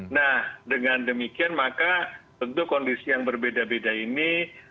nah dengan demikian maka tentu kondisi yang berbeda beda ini